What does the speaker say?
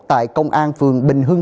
tại công an phường bình hồn